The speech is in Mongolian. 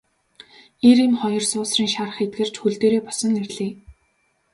Эр эм хоёр суусрын шарх эдгэрч хөл дээрээ босон ирлээ.